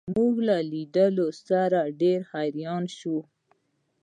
زموږ له لیدو سره ډېر حیران شو.